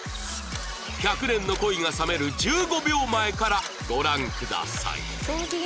１００年の恋が冷める１５秒前からご覧ください